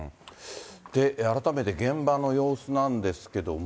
改めて現場の様子なんですけども。